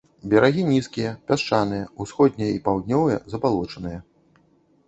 Берагі нізкія, пясчаныя, усходнія і паўднёвыя забалочаныя.